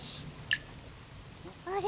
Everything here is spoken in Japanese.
あれ？